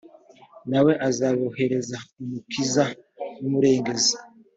na we azaboherereza umukiza n umurengezi